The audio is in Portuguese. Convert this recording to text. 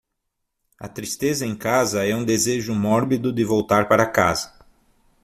A tristeza em casa é um desejo mórbido de voltar para casa.